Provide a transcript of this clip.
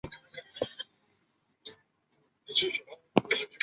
官至山东巡抚。